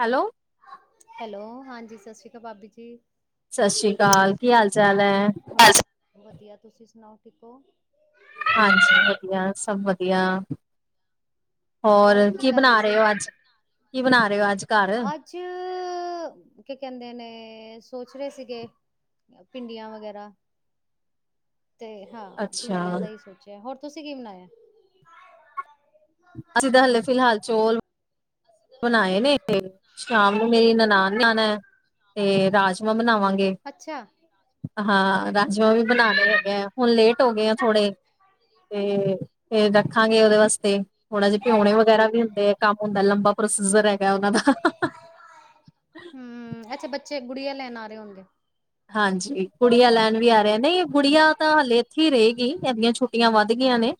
Hello, hello ਹਾਂਜੀ ਸਤਿ ਸ੍ਰੀ ਅਕਾਲ ਭਾਬੀ ਜੀ, ਸਤਿ ਸ੍ਰੀ ਅਕਾਲ ਕੀ ਹਾਲ ਚਾਲ ਹੈ, ਬਸ ਵਧੀਆ ਤੁਸੀਂ ਸੁਣਾਓ ਠੀਕ ਹੋ ਹਾਂਜੀ ਵਧੀਆ ਸਭ ਵਧੀਆ, ਹੋਰ ਕੀ ਬਣਾ ਰਹੇ ਹੋ ਅੱਜ ਕੀ ਬਣਾ ਰਹੇ ਹੋ ਅੱਜ, ਘਰ ਅੱਜ ਕੀ ਕਹਿੰਦੇ ਨੇ ਸੋਚ ਰਹੇ ਸੀਗੇ, ਭਿੰਡੀਆਂ ਵਗੈਰਾ, ਤੇ ਹਾਂ ਅੱਛਾ ਭਿੰਡੀਆਂ ਦਾ ਹੀ ਸੋਚਿਆ ਹੋਰ ਤੁਸੀਂ ਕੀ ਬਣਾਇਆ, ਅਸੀਂ ਤਾਂ ਹਲੇ ਫਿਲਹਾਲ ਚੋਲ ਬਣਾਏ ਨੇ ਤੇ ਸ਼ਾਮ ਨੂੰ ਮੇਰੀ ਨਨਾਨ ਨੇ ਆਣੇ ਤੇ ਰਾਜਮਾਂ ਬਣਾਵਾ, ਗੇ ਅੱਛਾ ਹਾਂ ਰਾਜਮਾਂ ਵੀ ਬਣਾਣੇ ਹੈਗੇ ਆ, ਹੂੰ ਹੁਣ ਲੇਟ ਹੋ ਗਏ ਆ ਥੋੜੇ ਤੇ ਫਿਰ ਰੱਖਾਂਗੇ ਉਹਦੇ ਵਾਸਤੇ, ਹੁਣ ਜੇ ਭਿਉਣੇ ਵਗੈਰਾ ਵੀ ਹੁੰਦੇ ਆ ਕੰਮ ਹੁੰਦਾ ਲੰਬਾ ਪ੍ਰੋਸੀਜਰ ਹੈਗਾ ਉਹਨਾਂ ਦਾ, ਹਮ ਅੱਛਾ ਬੱਚੇ ਗੁੜੀਆਂ ਲੈਣ ਆ ਰਹੇ ਹੋਣਗੇ, ਹਾਂਜੀ ਕੁੜੀਆਂ ਲੈਣ ਵੀ ਆ ਰਿਹਾ ਨਹੀਂ ਗੁੜੀਆਂ ਤਾਂ ਹਾਲੇ ਇੱਥੇ ਹੀ ਰਹੇਗੀ ਇਦੀਆਂ ਛੋਟੀਆਂ, ਛੁੱਟੀਆਂ ਵੱਧ ਗਈਆਂ ਨੇ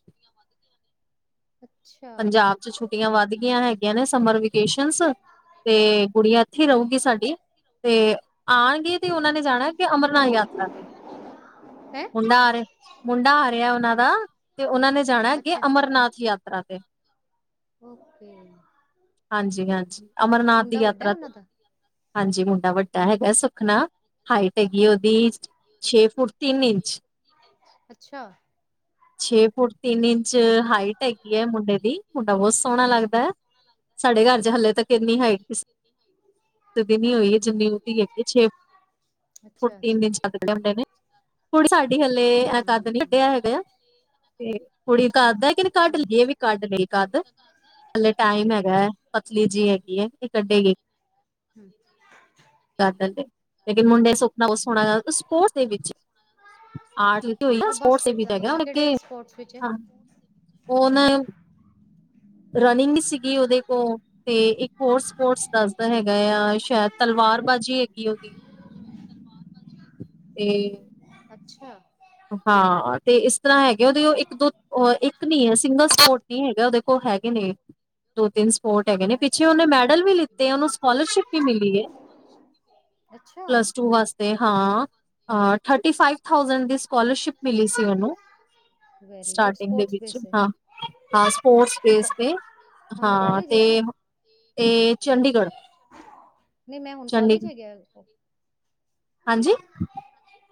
ਅੱਛਾ ਪੰਜਾਬ ਚ ਛੁੱ ਵੱਧ ਗਿਆਂ ਹੈਗੀਆਂ ਨੇ ਸਮਰ ਵਿੱਚ, ਤੇ ਪੇਸ਼ਨਸ ਤੇ ਕੁੜੀਆਂ ਇੱਥੇ ਰਹੁਗੀ ਸਾਡੀ ਤੇ ਆਉਣਗੇ ਤੇ ਉਹਨਾਂ ਨੇ, ਜਾਣਾ ਕਿ ਅਮਰਨਾਥ ਯਾਤਰਾ ਤੇ ਹੈਂ ਹੁਣ ਮੁਡਾ ਆ ਮੁੰਡਾ ਆ ਰਿਆ ਉਹਨਾਂ ਦਾ ਤੇ ਉਹਨਾਂ ਨੇ ਜਾਣਾ ਅੱਗੇ ਅੱਛਾ ਅਮਰਨਾਥ ਯਾਤਰਾ ਤੇ, ਓਕੇ, ਹਾਂਜੀ ਹਾਂਜੀ ਅਮਰਨਾਥ ਦੀ ਮੁੰਡਾ ਵੱਡਾ ਯਾਤਰਾ ਉਹਨਾਂ ਤੇ ਦਾ ਹਾਂਜੀ ਮੁੰਡਾ ਵੱਡਾ ਹੈਗਾ ਸੁਖਨਾ, ਹਾਈਟ ਹੈਗੀ ਉਹਦੀ ਛੇ ਫੁਟ ਤਿੰਨ ਇੰਚ, ਅੱਛਾ, ਛੇ ਫੁਟ ਤਿੰਨ ਇੰਚ ਹਾਈਟ ਹੈਗੀ ਹੈ ਮੁੰਡੇ ਦੀ, ਮੁੰਡਾ ਬਹੁਤ ਸੋਹਣਾ ਲੱਗਦਾ ਹੈ। ਸਾਡੇ ਘਰ 'ਚ' ਹਾਲੇ ਤੱਕ ਇੰਨੀ ਹਾਈਟ ਨ ਹੋਈ ਹੈ ਜਿੰਨੀ ਉਹਦੀ ਹੈਗੀ ਛੇ, ਫ ਅੱਛਾ ਤਿੰਨ ਦਿਨ ਅੱਛਾ ਚਦ ਕੇ ਹੁੰਦੇ ਨੇ ਫ ਸਾਡੀ ਹਲੇ ਐ ਕੱਦ ਨੀ ਕੱਢਿਆ ਹੂੰ-ਹੂੰ। ਹੈਗਾ ਆ ਤੇ ਕੁੜੀ ਕਰਦਾ ਕਿਹਨ ਕੱਢ ਹੂੰ। ਲਈਏ ਵੀ ਕੱਢ ਲਈ ਕੱਦ ਹਲੇ ਟਾਈਮ ਹੈਗਾ ਹੈ ਪਤਲੀ ਜੀ ਹੈਗੀ ਹੈ, ਨੀ ਕੱਢੇ ਗੀ ਡਰ ਡਰ ਕੇ, ਲੇਕਿਨ ਮੁੰਡੇ ਸੁੱਖਨਾ ਉਹ ਹੂੰ-ਹੂੰ। ਸੋਣਾ ਸਪੋਰਟਸ ਦੇ ਵਿੱਚ, ਆਟ ਲੀਤੀ ਹੋਈ ਆ ਬਸ ਸਪੋਰਟਸ ਫਿਰ ਵਿਚ ਤਾਂ ਹੀ ਹੈਗਾ, ਨਾ ਕਿਹੜੇ ਸਪੋਰਟਸ ਵਿੱਚ ਹੈ? ਹਾ ਹੁਣ, ਰਨਿੰਗ ਸੀਗੀ ਉਹਦੇ ਕੋਲ ਤੇ ਇੱਕ ਹੋਰਸਪਰਸ ਦੱਸਦਾ ਹੈਗਾ ਆ, ਸ਼ਾਇਦ ਤਲਵਾਰ ਬਾਜੀ ਹੈਗੀ ਉਹਦੀ, ਤੇ, ਅੱਛਾ, ਹਾਂ ਤੇ ਇਸ ਤਰ੍ਹਾਂ ਹੈਗੇ ਉਹਦੇ ਉਹ ਇੱਕ ਦੋ ਇੱਕ ਨਹੀਂ ਹੈ ਸਿੰਗਲ ਸਪੋਰਟ ਨਹੀਂ ਹੈਗਾ ਉਹਦੇ, ਕੋਲ ਹੈਗੇ ਨੇ, ਦੋ ਤਿੰਨ ਸਪੋਰਟ ਹੈਗੇ ਨੇ ਅੱਛਾ ਪਿੱਛੇ ਓਨੇ ਨੰਬਰ ਐ। ਮੈਡਲ ਵੀ ਲਿੱਤੇ, ਓਨੂੰ ਸਕੋਲਰਸ਼ਿਪ ਵੀ ਮਿਲੀ ਏ। ਅੱਛਾ, ਪੱਲਸ ਟੂ ਵਾਸਤੇ ਹਾਂ, ਹਾਂ ਥਟੀਫਾਇਫ ਥ‌ਊਜੰਡ ਦੀ ਸ਼ਿਪ ਮਿਲੀ ਸੀ ਓਨੂੰ। ਵੈਰੀ ਗੁੱਡ ਸਟਾਰਟਿੰਗ ਦੇ ਸਪੋਰਟਸ ਵਿੱਚ ਬੇਸ ਏ। ਹਾਂ, ਹਾਂ ਸਪੋਰਟਬੇਸ ਤੇ। ਹੁਣ ਕੋਲਜ ਐ ਕੀ ਏ ਚੰਡੀਗੜ੍ਹ। ਨਈ ਮੈਂ ਹੁਣ ਕਾਲਜ ਚੰਡੀਗੜ੍ਹ ਹੈ ਗਿਆ ਓਰਕੋ। ਹਾਂਜੀ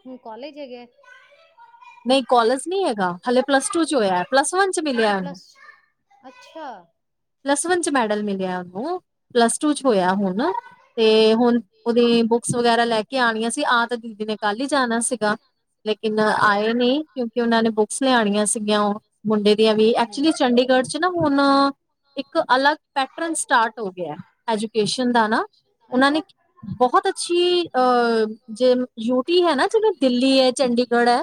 ਹੁਣ ਮ ਕੋਲਜ ਹੈਗਾ। ਨਈ ਕੋਲਜ ਨੀ ਹੈਗਾ, ਹਲੇ ਪਲੱਸ ਟੂ 'ਚ ਹੋਇਆ। ਪਲੱਸ ਵਨ ਚ ਅੱਛਾ ਮਿਲਿਆ ਉਹਨੂੰ ਪਲੱਸ- ਅੱਛਾ। ਪਲੱਸ ਵਨ 'ਚ ਮੈਡਲ ਮਿਲਿਆ ਓਨੂੰ, ਪਲੱਸ ਟੂ 'ਚ ਹੋਇਆ ਹੁਣ। ਤੇ ਮਿਲਿਆ ਮੈਨੂੰ। ਹੁਣ ਹੂੰ ਓਦੀ ਬੁੱਕਸ ਵਗੈਰਾ ਲੈ ਕੇ ਆਣੀਆਂ ਸੀ, ਆ ਤੇ ਦੀਦੀ ਨੇ ਕੱਲ ਹੀ ਜਾਣਾ ਸੀ। ਸੀਗਾ, ਲੇਕਿਨ ਆਏ ਨੀ ਕਿਉਂਕਿ ਓਨਾਂ ਨੇ ਬੁੱਕਸ ਲਿਆਣੀਆਂ ਸੀਗੀਆਂ। ਓ ਮੁੰਡੇ ਦੀਆਂ ਵੀ, ਹੂੰ ਐਕਚੁਲੀ ਚੰਡੀਗੜ੍ਹ ਵਿਚ ਨਾ ਹੁਣ ਇੱਕ ਅਲੱਗ ਪੈਟਰਨ ਸਟਾਰ ਹੋ ਗਿਆ, ਐਜੂਕੇਸ਼ਨ ਦਾ ਨਾ। ਓਨਾਂ ਨੇ ਉਹਨਾਂ ਬਹੁਤ ਅੱਛੀ ਅ ਜੇ ਯੂ ਟੀ ਹੈ ਨਾ ਜਿਵੇਂ ਦਿੱਲੀ ਏ, ਚੰਡੀਗੜ੍ਹ ਐ।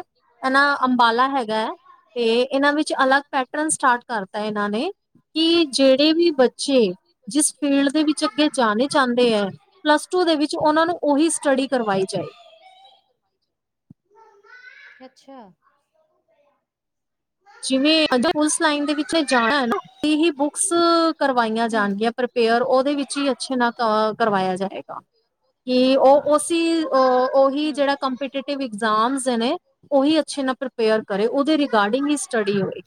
ਏਨਾ ਅੰਬਾਲਾ ਹੈਗਾ ਤੇ ਏਨਾਂ ਵਿੱਚ ਅਲੱਗ ਪੈਟਰਨ ਸਟਾਰ ਕਰਤਾ, ਏਨਾਂ ਨੇ। ਕੀ ਜੇੜੇ ਵੀ ਬੱਚੇ ਜਿਸ ਫੀਲਡ ਦੇ ਵਿੱਚ ਅੱਗੇ ਜਾਣੇ ਚਾਂਦੇ ਐ ਪਲੱਸ ਟੂ ਦੇ ਵਿੱਚ ਓਨਾਂ ਨੂੰ ਓਹੀ ਸਟੱਡੀ ਕਰਵਾਈ ਜਾਏ। ਅੱਛਾ। ਜਿਵੇ ਅਗਰ ਪੁਲਿਸ ਲਾਈਨ ਦੇ ਵਿੱਚ ਜਾਣਾ ਐ ਨਾ, ਓਦੀ ਹੀ ਬੁਕਸ ਕਰਵਾਈਆਂ ਨੂੰ ਪੂਰੀ ਸਟੱਡੀ ਕਰਵਾਈ ਜਾਵੇ ਅੱਛਾ ਹੂੰ ਜਾਣਗੀਆਂ ਪਰ ਪੇਅਰ ਓਦੇ ਵਿੱਚ ਈ ਅੱਛੇ ਨਾਲ ਤੇ ਕਰਵਾਇਆ ਜਾਏਗਾ। ਕਿ ਓ ਓਸੀ ਓ ਓਹੀ ਤੱਕ ਜੇੜਾ ਕੰਪੀਟੀਟਿਵ ਇਗਜ਼ਾਮਸ ਨੇ ਓਹੀ ਅੱਛੇ ਨਾਲ ਪ੍ਰਪੇਅਰ ਕਰੇ, ਓਦੇ ਰਿਗਾਡਿੰਗ ਇਚ ਸਟੱਡੀ ਹੋਏ।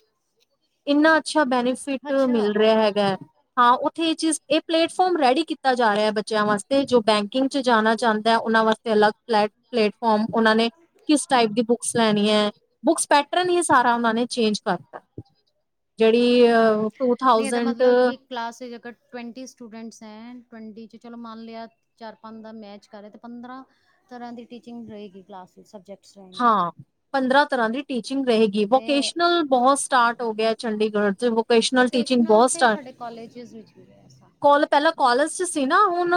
ਇੰਨਾ ਅੱਛਾ ਬੈਨੀਫਿਟ ਅੱਛਾ ਮਿਲ ਰਿਆ ਹੈਗਾ। ਹਾਂ ਓਥੇ ਏ ਚੀਜ਼ ਏ ਪਲੇਟਫਾਰਮ ਰੈਡੀ ਕੀਤਾ ਜਾ ਰਿਆ ਬੱਚਿਆਂ ਵਾਸਤੇ, ਜੋ ਬੈਂਕਿੰਗ ਵਿੱਚ ਜਾਣਾ ਚਾਂਦਾ, ਓਨਾਂ ਵਾਸਤੇ ਅਲੱਗ ਪਲੈਟ ਪਲੇਟਫੋਮਾਂ ਓਨਾਂ ਨੇ ਕਿਸ ਟਾਈਪ ਦੀ ਬੁੱਕਸ ਲੈਣੀਆ। ਬੁੱਕਸ ਪੈਟਰਨ ਹੀ ਸਾਰਾ ਓਨਾਂ ਨੇ ਚੇਂਜ ਕਰਤਾ। ਜੜੀ ਆ ਟੂ ਇਹਦਾ ਥਾਊਜੈਂਟ ਮਤਲਬ ਕਿ ਕਲਾਸ ਵਿੱਚ ਅਗਰ ਟਵੈਂਟੀ ਸਟੂਡੈਂਟਸ ਐਂ, ਟਵੈਂਟੀ ਵਿਚ ਚਲੋ ਮੰਨ ਲਿਆ ਚਾਰ ਪੰਜ ਦਾ ਮੈਚ ਕਰ ਰਿਆ, ਤੇ ਪੰਦਰਾਂ ਤਰ੍ਹਾਂ ਦੀ ਟੀਚਿੰਗ ਰ‌ਏਗੀ ਕਲਾਸ ਵਿੱਚ। ਸਬਜੈਕਟ ਹਾਂ ਪੰਦਰਾਂ ਤਰ੍ਹਾਂ ਦੀ ਟੀਚਿੰਗ ਰ‌ਏਗੀ। ਤੇ ਵੋਕੇਸ਼ਨਲ ਬੋਤ ਸਟਾਟ ਹੋ ਗਿਆ ਚੰਡੀਗੜ੍ਹ 'ਚ ਵੋਕੈਸ਼ਨਲ ਟੀਚਿੰਗ ਵੋਕੇਸ਼ਨਲ ਬੋਤ ਤੇ ਸਟਾਟ, ਸਾਡੇ ਕਾਲਜਿਸ ਵਿੱਚ ਵੀ ਹੈ ਐਸਾ, ਕੋ ਪੈਲਾਂ ਕੋਲਜ 'ਚ ਤੇ ਨਾ ਹੁਣ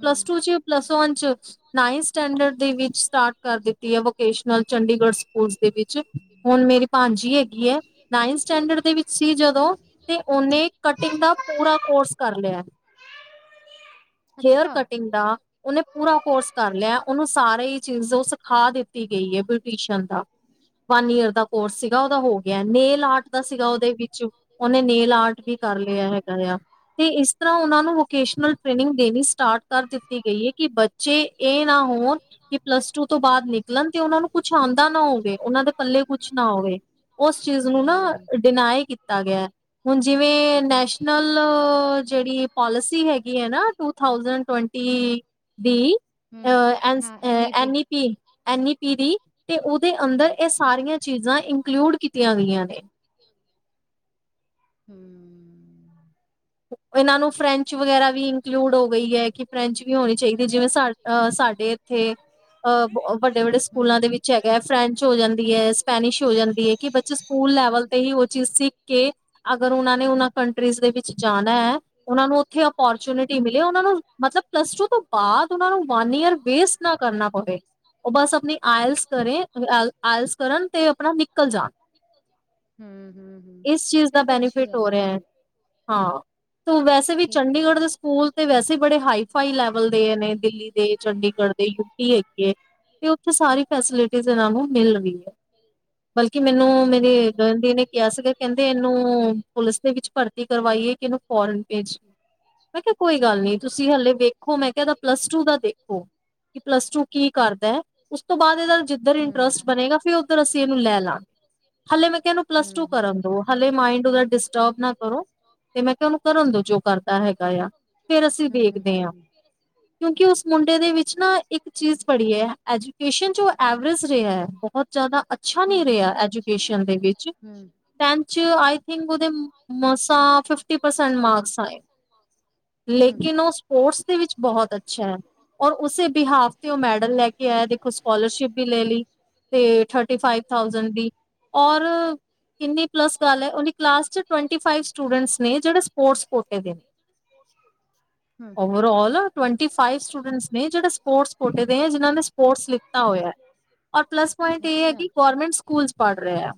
ਪਲੱਸ ਟੂ ਤੁਸੀਂ ਓ ਪਲੱਸ ਵਨ 'ਚ ਨਾਈਨ ਸਟੈਂਡਰਡ ਦੇ ਵਿੱਚ ਸਟਾਟ ਕਰ ਦਿੱਤੀ ਐ, ਵੋਕੇ ਵੋਕੇਸ਼ਨਲ ਚੰਡੀਗੜ੍ਹ ਸਕੂਲਸ ਦੇ ਵਿੱਚ, ਹੁਣ ਮੇਰੀ ਭਾਂਜੀ ਹੈਗੀ ਐ। ਨਾਇਨ ਸਟੈਂਡਰਡ ਦੇ ਵਿੱਚ ਸੀ ਜਦੋਂ, ਤੇ ਓਨੇ ਕਟਿੰਗ ਦਾ ਪੂਰਾ ਕੋਰਸ ਕਰ ਲਿਆ। ਹੇਅਰ ਅੱਛਾ। ਕਟਿੰਗ ਦਾ। ਓਨੇ ਪੂਰਾ ਕੋਰਸ ਕਰ ਲਿਆ, ਓਨੂੰ ਸਾਰੇ ਹੀ ਚੀਜ਼ ਓ ਸਿਖਾ ਦਿੱਤੀ ਗਈ ਏ ਬਿਊਟੀਸ਼ਨ ਦਾ। [inaudible] ਵਨ ਈਅਰ ਦਾ ਕੋਰਸ ਸੀਗਾ ਓਦਾ ਹੋ ਗਿਆ, ਨੇਲ ਆਰਟ ਦਾ ਸੀਗਾ ਓਦੇ ਵਿੱਚ, ਓਨੇ ਨੇਲ ਆਰਟ ਵੀ ਕਰ ਲਿਆ ਹੈਗਾ। ਕਰਿਆ ਤੇ ਗਸ ਤਰ੍ਹਾਂ ਓਨਾਂ ਨੂੰ ਵੋਕੇਸ਼ਨਲ ਟ੍ਰੇਨਿੰਗ ਦੇਣੀ ਸਟਾਰਟ ਕਰ ਦਿੱਤੀ ਗਈ ਐ ਕੀ ਜੇ ਏ ਨਾ ਹੋਣ ਕੀ ਪਲੱਸ ਟੂ ਤੋਂ ਬਾਅਦ ਨਿਕਲ ਨਿਕਲਣ ਤੇ ਉਨਾਂ ਨੂੰ ਕੁਛ ਆਂਦਾ ਨਾ ਹੋਵੇ ਉਨਾਂ ਦੇ ਪੱਲੇ ਕੁਛ ਨਾ ਹੋਵੇ ਉਸ ਚੀਜ਼ ਨੂੰ ਨਾ ਹੂੰ। ਡਿਨਾਏ ਕੀਤਾ ਗਿਆ ਹੁਣ ਜਿਵੇਂ ਨੈਸ਼ਨਲ ਜੇੜੀ ਪੋਲਿਸੀ ਹੈਗੀ ਹੈ ਨਾ ਟੂ ਥਾਊਸੈਂਡ ਟਵੰਟੀ ਦੀ ਅ N E P N E P ਤੇ ਉਦੇ ਅੰਦਰ ਹੂੰ। ਐ ਸਾਰੀਆਂ ਚੀਜ਼ਾਂ ਇੰਕਲੂਡ ਕੀਤੀਆਂ ਗਈਆਂ ਨੇ। ਤਿਆਰੀਆਂ ਹੂੰ ਉਨਾ ਨੂੰ ਫਰੈਂਚ ਵਗੈਰਾ ਵੀ ਇੰਕਲੂਡ ਹੋ ਗਈ ਏ ਕਿ ਫਰੈਂਚ ਵੀ ਹੋਣੀ ਚਾਈਦੀ ਏ ਜਿਵੇਂ ਸਾ ਸਾਡੇ ਠੀਕ ਅ ਵੱਡੇ-ਵੱਡੇ ਸਕੂਲਾਂ ਦੇ ਹੂੰ। ਵਿੱਚ ਹੈਗਾ ਐ ਫਰੈਂਚ ਹੋ ਜਾਂਦੀ ਐ ਸਪੈਨਿਸ਼ ਹੋ ਜਾਂਦੀ ਐ ਕਿ ਬੱਚੇ ਸ ਸਕੂਲ ਲੈਵਲ ਤੇ ਹੀ ਓ ਚੀਜ਼ ਸਿੱਖ ਕੇ ਅਗਰ ਉਨਾਂ ਨੇ ਉਨਾ ਕੰਟਰੀਜ਼ ਦੇ ਵਿੱਚ ਜਾਣਾ ਹੂੰ ਐ ਉਨਾਂ ਨੂੰ ਉੱਥੇ ਅਪੋਰਚੁਨਿਟੀ ਮਿਲੇ ਉਨਾਂ ਨੂੰ ਮਤਲਬ ਪਲੱਸ ਟੂ ਤੋਂ ਬਾਦ ਉਨਾਂ ਨੂੰ ਵਨ ਈਅਰ ਵੇਸਟ ਨਾ ਕਰਨਾ ਪਵੇ। ਓ ਬਸ ਆਪਣੀ ਆਇਲਸ ਕਰੇ ਆਇਲਸ ਕਰਨ ਤੇ ਆਪਣਾ ਨਿਕਲ ਜਾਣ ਹੂੰ ਹੂੰ ਹੂੰ ਇਸ ਚੀਜ ਦਾ ਇਹ ਤੇ ਅੱਛੀ ਬੈਨੀਫਿਟ ਹੋ ਗੱਲ ਹੈ ਰਿਆ। ਹਾਂ ਤੋ ਵੈਸੇ ਵੀ ਠੀਕ ਕਹਿ ਰਹੇ ਚੰਡੀਗੜ ਹੋ ਦੇ ਸੂਕੂਲ ਤੇ ਵੈਸੇ ਬੜੇ ਹਾਈਫਾਈ ਲੈਵਲ ਦੇ ਨੇ ਦਿੱਲੀ ਦੇ ਚੰਡੀਗੜ ਦੇ ਯੂਪੀ ਹੈਗੀ ਏ। ਤੇ ਓਥੇ ਸਾਰੀ ਫੈਸਿਲਿਟੀਜ਼ ਏਨਾਂ ਨੂੰ ਮਿਲ ਰੀ ਏ। ਬਲਕਿ ਮੈਨੂੰ ਹੂੰ। ਹੂੰ। ਹੂੰ। ਹੂੰ-ਹੂੰ। ਹੂੰ-ਹੂੰ-ਹੂੰ-ਹੂੰ। ਹੂੰ। ਕੋਈ ਗੱਲ ਨਹੀਂ ਤੁਸੀਂ ਹਲੇ ਵੇਖੋ ਮੈਂ ਕਿਹਾ ਪਲੱਸ ਟੂ ਕਰ ਲਓ। ਪਲੱਸ ਟੂ ਕੀ ਕਰਨਾ ਹੈ ਹੂੰ, ਮੇਰੇ ਗਾਂਡੀ ਨੇ ਕਿਆ ਸੀਗਾ ਕੈਂਦੇ ਏਨੂੰ ਪੁਲਿਸ ਦੇ ਵਿੱਚ ਭਰ ਤੀ ਕਰਵਾਈ ਏ ਕੇ ਇਨੂੰ ਫੋਰਨ ਭੇਜੀਏ ਮੈਂ ਕਿਆ ਕੋਈ ਗੱਲ ਨੀ ਤੁਸ ਤੁਸੀ ਹਲੇ ਵੇਖੋ ਮੈਂ ਕਿਆ ਏਦਾ ਪਲੱਸ ਟੂ ਦਾ ਦੇਖੋ ਕਿ ਪਲੱਸ ਟੂ ਕੀ ਕਰਦੈ। ਉਸ ਤੋਂ ਬਾਦ ਏਦਾ ਜਿੱਧਰ ਇੰਟਰਸਟ ਬਨੇਗਾ ਫਿਰ ਓਦਰ ਅਸੀ ਏਨੂੰ ਲੈ ਲਾਂਗੇ। ਹਲੇ ਮੈਂ ਕਿਆ ਏਨੂ ਪਲੱਸ ਟੂ ਕਰਨ ਦੋ ਹਲੇ ਮਾਇੰਡ ਓਦਾ ਡਿਸਟਰਬ ਨਾ ਕਰੋ। ਤੇ ਮੈਂ ਕਿਆ ਓਨੂੰ ਕਰਨ ਦੋ ਜੋ ਤੇ ਕਰਦਾ ਹੈਗਾ ਆ ਫੇਰ ਅਸੀ ਵੇਖਦੇ ਆਂ। ਦੇਖਦੇ ਕਿਉਂਕਿ ਉਸ ਮੁੰਡੇ ਦੇ ਵਿੱ 'ਚ ਨਾ ਇੱਕ ਚੀਜ ਬੜੀ ਏ ਐਜੂਕੇਸ਼ਨ ਚੋ ਐਵਰੇਜ਼ ਰਿਆ ਬੋਤ ਜਾਦਾ ਅਛ ਅੱਛਾ ਨੀ ਰਿਆ ਐਜੂਕੇਮ਼ਨ ਦੇ ਵਿੱਚ ਟੈੰਥ 'ਚ ਆ ਥਿੰਕ ਓਦੇ ਮੇਸ ਤਾਂ ਫਿਫਟੀ ਪਰਸੈਂਟ ਮਾਰਕਸ ਆਏ ਲੇਕਨ ਓ ਸਪੋਰਟਸ ਦੇ ਵਿੱਚ ਬਹੁਤ ਅੱਛਾ ਐ। ਔਰ ਉਸੇ ਬਿਹਾਫ ਤੇ ਓ ਮੈਡਲ ਲੈ ਕੇ ਆਇਆ ਦੇਖੋ ਸਕੋਲਰਸ਼ਿਪ ਵੀ ਲੈ ਲੀ ਤੇ ਥਰ ਥਰਟੀ ਫਾਈਵ ਥਾਉਜੈ਼ਂਡ ਵੀ ਔਰ ਕਿੰਨੀ ਪਲੱਸ ਗੱਲ ਐ ਓਦੀ ਕਲਾ ਲਾਸ 'ਚ ਟਵਨਟੀ ਫਾਈਵ ਸੂ ਸਟੂਡੈਂਟਸ ਨੇ ਜੇੜੇ ਸਪੋਰਟਸ ਕੋਟੇ ਦੇ ਨੇ। ਹੂੰ overall twenty five students ਨੇ ਜੇੜੇ ਸਪੋਰਟਸ ਕੋਟੇ ਦੇ ਐਂ, ਜਿਨਾਂ ਨੇ ਸਪੋਰਟਸ ਲਿੱਤਾ ਹੋਏਐ। ਔਰ ਪਲੱਸ ਪੁਆਇੰਟ ਏ ਐ ਅੱਛਾ ਕਿ ਗੋਰਮੈਂਟਸ ਸਕੂਲ 'ਚ ਪੜ ਰਿਆ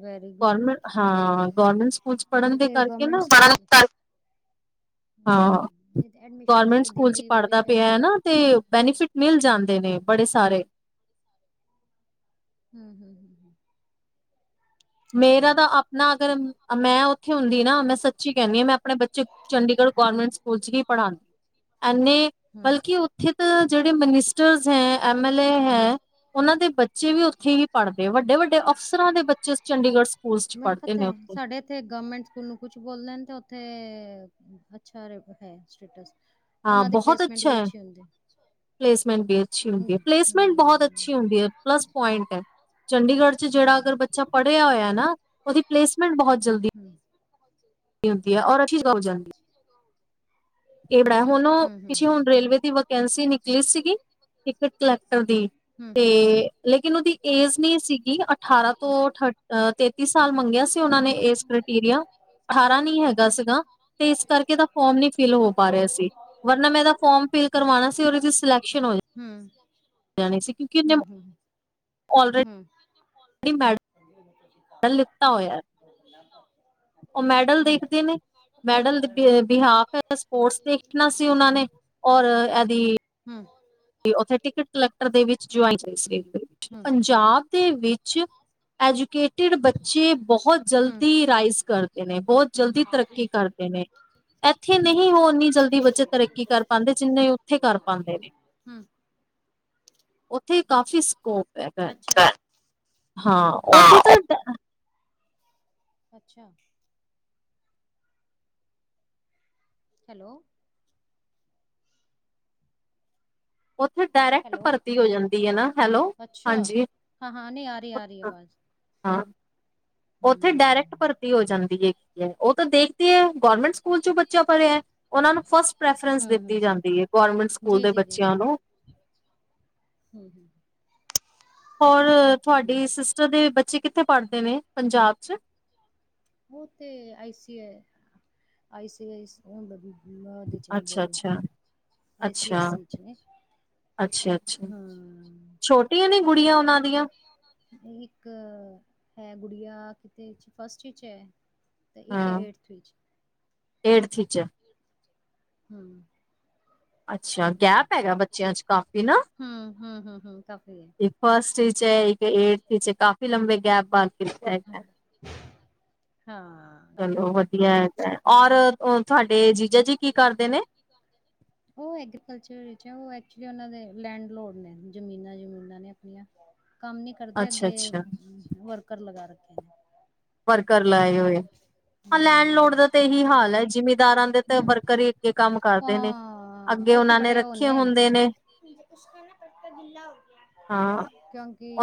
ਵੈਰੀ ਗੋਰਮੈਂਟ ਹਾਂ ਗੋਰਮੈਂਟ ਸ ਨੀ ਤੇ ਗਵਮੈਂਟ ਸ ਗੋਰਮੈਂਟ ਸਕੂਲ 'ਚ ਪੜਦਾ ਪਿਆ ਐ ਨਾ ਤੇ ਬੈਨੀਫਿਟ ਮਿਲ ਜਾਂਦੇ ਨੇ ਬੜੇ ਸਾਰੇ ਹੂੰ-ਹੂੰ-ਹੂੰ-ਹੂੰ ਮੇਰਾ ਤਾਂ ਆਪਨਾ ਅਗਰ ਮੈਂ ਉਥੇ ਹੁੰਦੀ ਨਾ ਮੈਂ ਸੱਚੀ ਕੈਨੀ ਆਂ ਮੈਂ ਅਪਣੇ ਬੱਚੇ ਚੰਡੀਗੜ ਗੌਰਮੈਂਟ ਸਕੂਲ 'ਚ ਹੀ ਪੜਾਂਦੀ ਐਨੇ ਹੂੰ। ਬਲਕਿ ਓ ਇਥੇ ਤਾਂ ਜੇੜੇ ਮਨਿਸਟਰਸ ਹੈਂ ਐਮ ਐਲ ਏ ਹੈ। ਓਨਾਂ ਦੇ ਬੱਚੇ ਵੀ ਓਥੇ ਹੀ ਪੜਦੇ ਵੱਡੇ-ਵੱਡੇ ਅਫਸਰਾਂ ਦੇ ਬੱਚੇ ਚੰਡੀਗੜ ਸ ਮੈਨੂ ਪਤਾ ਐ ਸਾਡੇ ਇ ਥੇ ਗਵਮੈਂਟ ਸਕੂਲ ਨੂੰ ਕੁੱਛ ਬੋਲਦੇ ਨੇ ਤੇ ਓਥੇ ਅੱਛਾ ਰੇ ਐ ਸਟੇਟਸ ਹਾਂ ਓਨਾਂ ਦੀ ਬਹੁਤ ਪਲੇਸਮੈਂਟ ਅੱਛਾ ਵੀ ਹੈ ਅੱਛੀ ਹੁੰਦੀ। ਪਲੇਸਮੈਂਟ ਵੀ ਅੱਛੀ ਹੂੰ ਹੁੰਦੀ ਐ, ਪਲੇਸਮੈਂਟ ਬੋਹਤ ਹੂੰ। ਅੱਛੀ ਹੁੰਦੀ ਐ। ਪਲੱਸ ਪੁਆਇੰਟ ਐ। ਚੰਡੀਗੜ ਚ ਜੇੜਾ ਹੂੰ ਅਗਰ ਹੂੰ। ਬੱਚਾ ਪੜੇਆ ਹੋਏਆ ਨਾ, ਓਦੀ ਪਲੇਸਮੈਂਟ ਬੋਹਤ ਜਲਦੀ ਹੁੰਦੀ ਐ ਔਰ ਔਰ ਅੱਛੀ ਜਗਾ ਹੂੰਦੀ ਏ ਬੜਾ ਐ, ਹੁਨ ਓ ਪਿਛੇ ਹੁਨ ਰੇਲਵੇ ਦੀ ਵਕੈਂਸੀ ਨਿਕਲੀ ਸੀਗੀ, ਇੱਕ ਕਲੈਕਟਰ ਦੀ। ਹੂੰ। ਹੂੰ। ਤੇ ਲੇਕਿਨ ਓਦੀ ਏਜ਼ ਨੀ ਸੀਗੀ ਅਠਾਰਾਂ ਤੋਂ ਥਟ ਅ ਤੇਤ ਤੀ ਸਾਲ ਮੰਗੇਆ ਸੀ ਓਨਾਂ ਨੇ ਏਜ਼ ਕ੍ਰੀਟੀਰੀਆ, ਅਠਾਰਾਂ ਨੀ ਹੈਗਾ ਸੀਗਾ ਤੇ ਇਸ ਕਰਕੇ ੳਦਾ ਫੋਮ ਨੀ ਫਿਲ ਹੋ ਪਾ ਰੇਆ ਸੀ, ਵਰਨਾ ਮੈਂ ਏਦਾ ਫੋਮ ਫਿਲ ਕਰਵਾਨਾ ਸੀ ਔਰੇ ਚ ਸਲੈਕਸ਼ਨ ਹੋ ਜਾ ਹੂੰ। ਜਾਨੀ ਸੀ ਕਿਉਂਕਿ ੳਦੇ ਹੂੰ ਹੂੰ ਔਲਰੇਡ ਹੂੰ ਹੂੰ। [inaudible] [inaudible] ਪੈਲੇ ਲਿੱਤਾ ਹੋਏਆ। [inaudible] ਓ ਮੈਡਲ ਦੇਖਦੇ ਨੇ ਮੈਡਲ ਦੇ ਬਿਹਾਫ, ਸਪੋਰਟਸ ਦੇਖਨਾ ਸੀ ਓਨਾਂ ਨੇ ਔਰ ਐਦੀ ਹੂੰ। ਤੇ ਉਥੇ ਟਿਕਟ ਕਲੈਕਟਰ ਦੇ ਵਿੱਚ ਚੁਆਇਆ, ਹੂੰ ਪੰਜਾਬ ਦੇ ਵਿੱਚ ਐਜੂਕੇਟਿਡ ਬੱਚੇ ਬੋਹਤ ਜਲਦੀ ਰਾਈਸ ਕਰਦੇ ਨੇ, ਬੋਹਤ ਹੂੰ ਜਲਦੀ ਤਰੱਕੀ ਕਰਦੇ ਏਨੇ ਏਥੇ ਨਹੀ ੳਹ ਏਨੀ ਜਲਦੀ ਬੱਚੇ ਤਰੱਕੀ ਕਰ ਪਾਂਦੇ, ਜਿੰਨੇ ੳਥੇ ਕਰ ਪਾਂਦੇ ਨੇ। ਹੂੰ। ੳਥੇ ਕਾਫ਼ੀ ਸਕੋਪ ਹੈਗਾ ਅੱਛਾ ਹਾਂ ੳਥੇ ਤਾਂ ਅੱਛਾ। ਹੈਲੋ ੳਥੇ ਡਾਰੈਕਟ ਹੈਲੋ ਭਰਤੀ ਹੋ ਜਾਂਦੀ ਐ ਨਾ। ਹੈਲੋ, ਅੱਛਾ ਹਾਂਜੀ ਹਾਂ, ਹਾਂ ਨਈ ਆ ਰੀ, ਆ ਰੀ ਅਵਾਜ। ਹਾਂ ੳਥੇ ਡਾਰੈਕਟ ਭਰਤੀ ਹੋ ਜਾਂਦੀ ਹੈਗੀ ਏ। ੳ ਤੇ ਦੇਖਦੇ ਏ ਗਵਰਮੈਂਟ ਸਕੂਲ ਚ ਬੱਚਾ ਪੜੇਆ। ੳਨਾਂ ਨੂੰ ਫਸਟ ਪ੍ਰੈਫਰੈਂਸ ਦਿੱਤੀ ਜਾਂਦੀ ਏ, ਗੌਰਮੈਂਟ ਸਕੂਲ ਦੇ ਬੱਚੇਆਂ ਨੂੰ। ਹੂੰ। ਹੋਰ ਤੁਹਾਡੀ ਸਿਸਟਰ ਦੇ ਬੱਚੇ ਕਿੱਥੇ ਪੜਦੇ ਨੇ ਪੰਜਾਬ ਚ? ੳ ਤੇ ਆਈਸੀਏ ਆਈਸੀਏ ੳ ਹੁੰਦਾ ਬੋਰਡ ੳਦੇ ਚ ਨੇ ਅੱਛਾ ਅੱਛਾ ਆਈ ਸੀ ਐਸ ਅੱਛਾ ਸੀ ਚ ਨੇ ਅੱਛਾ, ਅੱਛਾ। ਹਾਂ ਛੋਟੀਆਂ ਨੇ ਗੁੜੀਆਂ ੳਨਾਂ ਦੀਆਂ? ਇੱਕ ਹੈ ਗੁੜਿਆ ਕਿਤੇੇ ਫਸਟ ਚ ਐ ਤੇ ਇੱਕ ਏਠਥ ਵਿੱਚ। ਏਠਥ ਚ ਹੂੰ। ਅੱਛਾ, ਗੈਪ ਹੈਗਾ ਬੱਚੇਆਂ ਚ ਕਾਫੀ ਨਾ। ਹਮ ਹਮ ਹਮ ਹਮ ਕਾਫੀ ਹੈ ਫਰਸਟ ਚ ਇੱਕ ਏਟਥ ਚ ਕਾਫੀ ਲੰਬੇ ਗੈਪ ਬਨ ਹਾਂ। ਕਾਫੀ ਚਲੋ ਹੈ ਵਧੀਆ ਹੈਗਾ। ਔਰ ਤੁਹਾਡੇ ਜੀਜਾ ਜੀ ਕੀ ਕਰਦੇ ਨੇ? ਉਹ ਐਗਰੀਕਲਚਰ ਵਿੱਚ ਉਹ ਐਕਚੁਲੀ ਉਹਨਾਂ ਦੇ ਲੈਂਡ ਲੋਡ ਨੇ ਜ਼ਮੀਨਾਂ ਜ਼ਮੂਨਾਂ ਨੇ ਆਪਣੀਆਂ ਕੰਮ ਨੀ ਕਰਦੇ ਅੱਛਾ ਅੱਗੇ ਅੱਛਾ ਵਰਕਰ ਲਗਾ ਰੱਖੇ ਨੇ ਵਰਕਰ ਲਾਏ ਹੋਏ ਹਾਂ ਲੈਂਡ ਲੋਡ ਹੂੰ ਦਾ ਤਾਂ ਇਹੀ ਹਾਲ ਹੈ। ਜਿਮੀਦਾਰਾਂ ਦੇ ਤਾਂ ਹੂੰ ਵਰਕਰ ਹੀ ਅੱਗੇ ਕੰਮ ਕਰਦੇ ਨੇ ਅ ਹਾਂ ਅਗੇ ਓਨਾਂ ਨੇ ਰੱਖੇ ਹੁੰਦੇ ਨੇ ਪੁਸ਼ਕਰ ਨਾ ਪੱ ਗਿੱਲਾ ਹੋ ਗਿਆ ਹਾਂ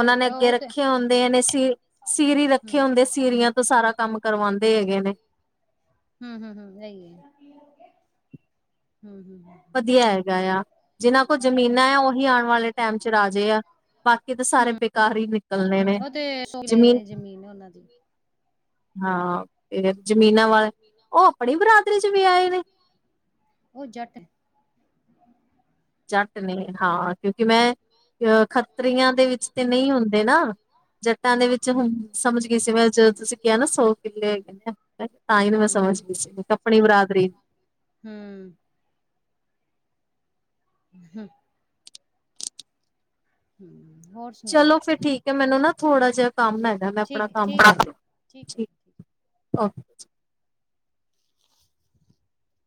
ਓਨਾਂ ਨੇ ਅੱਗੇ ਰੱਖੇ ਹੁੰਦੇ ਨੇ ਸੀ ਸੀਰੀ ਰੱਖੇ ਹੂੰ ਹੁੰਦੇ ਸੀਰੀਆਂ ਤੋਂ ਸਾਰਾ ਕੰਮ ਕਰਵਾਂਦੇ ਹੈਗੇ ਨੇ ਹਮ, ਹਮ, ਹਮ ਐਈ ਹੈ। ਹੂੰ, ਹੂੰ, ਹੂੰ ਵਧੀਆ ਹੈਗਾ ਆ ਜਿਨਾਂ ਕੋਲ ਜ਼ਮੀਨਾਂ ਆ ਓਹੀ ਆਣ ਵਾਲੇ ਟਾਈਮ ਚ ਰਾਜੇ ਆ ਬਾਕੀ ਤਾਂ ਸਾਰੇ ਬੇਕਾਰ ਹੀ ਨ ਹਮ ਉਹ ਤੇ ਲੇ ਜ਼ਮੀਨ ਉਹਨਾਂ ਦੀ ਹਾਂ ਫ ਜ਼ਮੀਨਾਂ ਵਾਲ ਉਹ ਆਪਣੀ ਬਰਾਦਰੀ ਚ ਵੇਆਏ ਨੇ ਉਹ ਜਟ--ਨੇ ਜੱਟ ਨੇ ਹਾਂ ਕਿਉਂਕਿ ਮੈਂ ਅ ਖੱਤਰੀਆਂ ਦੇ ਵਿੱਚ ਤੇ ਨਹੀਂ ਹੁੰਦੇ ਨਾ ਜੱਟਾਂ ਦੇ ਵਿੱਚ ਹੁਣ ਸਮਝ ਗਈ ਸੀ ਮੈਂ ਜਦੋਂ ਤੁਸੀਂ ਕਿਹਾ ਨਾ ਸੌ ਕਿੱਲੇ ਹੈਗੇ ਨੇ ਆ ਤਾਂ ਹੀ ਨੂੰ ਹੂੰ ਮੈਂ ਸਮਝ ਗੀ ਸੀ ਆਪਣੀ ਬਰਾਦਰੀ ਹਮ। ਹਮ। ਹਮ ਹੋਰ। ਸੁਣਾਓ ਚਲੋ ਫੇਿਰ ਠੀਕ ਹੈ ਮੈਨੂੰ ਨਾ ਥੋੜਾ ਜਿਹਾ ਕੰਮ ਹੈਗਾ ਮੈਂ ਆਪਣਾ ਠੀਕ ਹੈ ਕੰਮ ਠੀਕ ਹੈ ਕਰ ਠੀਕ ਲੀ ਹੈ ਹਹ [unintelligible]